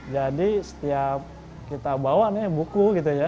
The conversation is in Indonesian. jadi setiap kita bawa buku